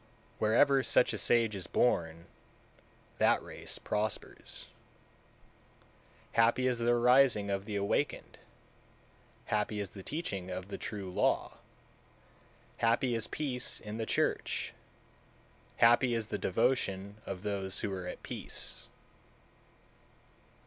Wherever such a sage is born, that race prospers. 194. Happy is the arising of the awakened, happy is the teaching of the True Law, happy is peace in the church, happy is the devotion of those who are at peace.